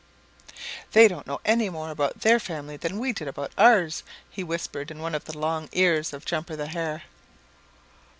"They don't know any more about their family than we did about ours," he whispered in one of the long ears of Jumper the Hare.